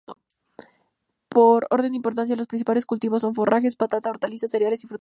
Por orden de importancia, los principales cultivos son: forrajes, patata, hortalizas, cereales y frutales.